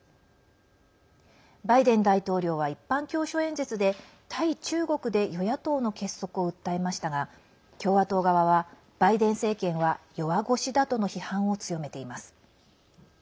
バイデン大統領は一般教書演説で対中国で与野党の結束を訴えましたが共和党側は、バイデン政権は弱腰だとの批判を強めています。